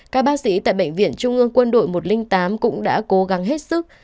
các bác sĩ tại bệnh viện trung ương quân đội một trăm linh tám cũng đã cố gắng hết sức